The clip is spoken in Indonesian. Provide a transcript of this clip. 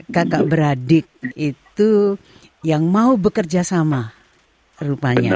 kakak beradik itu yang mau bekerja sama rupanya